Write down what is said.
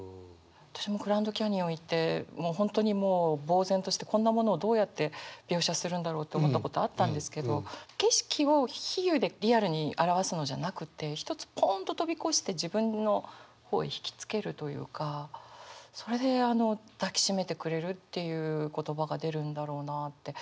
私もグランドキャニオン行って本当にもうぼう然としてこんなものをどうやって描写するんだろうって思ったことあったんですけど景色を比喩でリアルに表すのじゃなくてひとつぽんっと飛び越して自分の方へ引き付けるというかそれで「抱きしめてくれる」っていう言葉が出るんだろうなって。